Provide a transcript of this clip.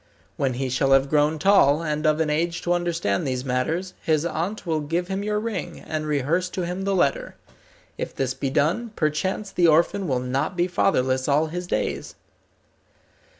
When he shall have grown tall, and of an age to understand these matters, his aunt will give him your ring, and rehearse to him the letter. If this be done, perchance the orphan will not be fatherless all his days."